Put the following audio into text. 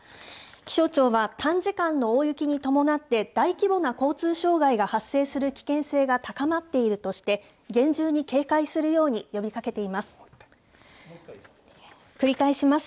気象庁は、短時間の大雪に伴って、大規模な交通障害が発生する危険性が高まっているとして、厳重に警戒するように呼びかけています。